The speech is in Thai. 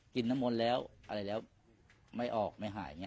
น้ำมนต์แล้วอะไรแล้วไม่ออกไม่หายอย่างนี้